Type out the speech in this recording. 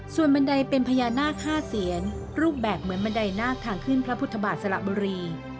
ส่วนบันไดเป็นพญานาค๕เสียนรูปแบบเหมือนบันไดนาคทางขึ้นพระพุทธบาทสละบุรี